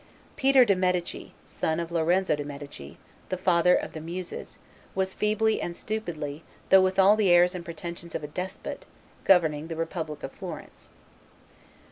Peter de' Medici, son of Lorenzo de' Medici, the father of the Muses, was feebly and stupidly, though with all the airs and pretensions of a despot, governing the republic of Florence.